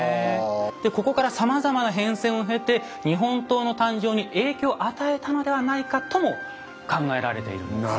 でここからさまざまな変遷を経て日本刀の誕生に影響を与えたのではないかとも考えられているんです。